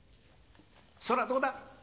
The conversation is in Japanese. そらどうだ？